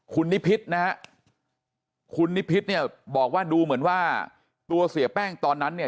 คุณนิพิษนะฮะคุณนิพิษเนี่ยบอกว่าดูเหมือนว่าตัวเสียแป้งตอนนั้นเนี่ย